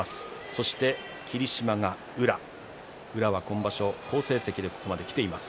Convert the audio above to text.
そして霧島が宇良宇良は今場所好成績でここまできています。